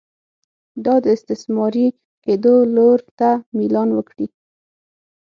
دا د استثماري کېدو لور ته میلان وکړي.